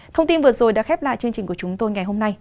thông tin vừa rồi đã khép lại chương trình của chúng tôi ngày hôm nay